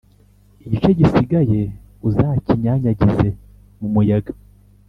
igice gisigaye uzakinyanyagize mu muyaga